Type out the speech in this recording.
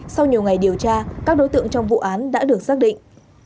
sau nhiều ngày điều tra các đối tượng trong vụ án đã được xác định